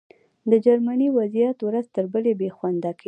د جرمني وضعیت ورځ تر بلې بې خونده کېده